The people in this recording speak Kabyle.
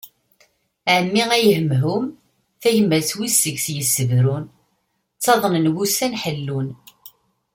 Ɛemmi ay hemhum, tagmat wi seg-s yessebrun, ttaḍnen wussan ḥellun.